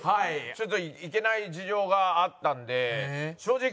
ちょっと行けない事情があったんで正直